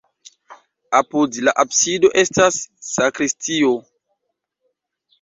Apud la absido estas sakristio.